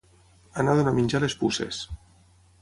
Anar a donar menjar a les puces.